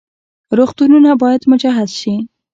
روغتونونه باید مجهز شي